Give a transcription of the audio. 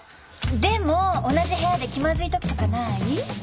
でも同じ部屋で気まずいときとかない？